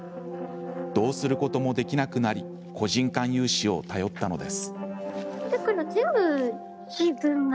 どうすることもできなくなり個人間融資を頼ったのです。